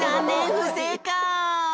ふせいかい！